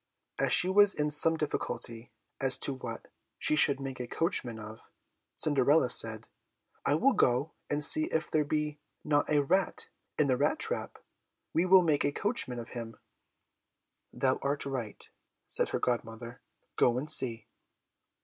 As she was in some difficulty as to what she should make a coachman of, Cinderella said, "I will go and see if there be not a rat in the rat trap; we will make a coachman of him." "Thou art right," said her godmother. "Go and see."